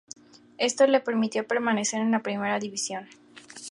Esto le permitió permanecer en la primera división.